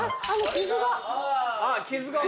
傷が。